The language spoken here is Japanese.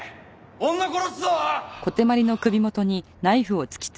女殺すぞ！